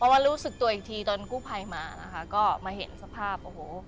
ปอล์มารู้สึกตัวอีกทีตอนกู้ภัยมาก็มาเห็นสภาพ